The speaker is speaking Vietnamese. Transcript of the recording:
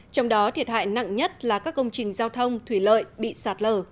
trong đó thiệt hại nặng nhất là các công trình giao thông thủy lợi bị sạt lở